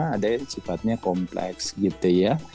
ada yang sifatnya kompleks gitu ya